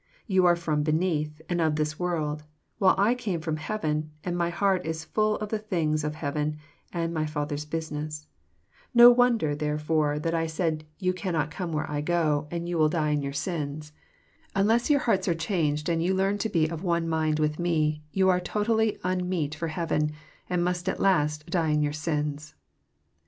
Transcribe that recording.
You are from beneath, and of this world ; while I came from heaven, and My heart is full of the things of heaven and My Father's business. No wonder, therefore, that I said you 94 EXFOsrroRT thoughts. canDOt come wbere I go, and will die in your sins. Unless yoar hearts are cbao<;ed, and you learn to be of one mind with Me, you are totally unmeet for heaveii, and most at last die in youf sins."